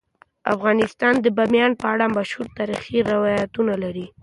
افغانستان د بامیان په اړه مشهور تاریخی روایتونه لري.